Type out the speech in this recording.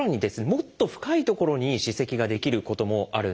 もっと深い所に歯石が出来ることもあるんです。